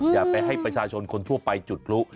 อย่าไปให้ประชาชนคนทั่วไปจุดพลุ